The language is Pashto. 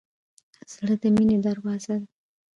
زړه د مینې دروازه ده.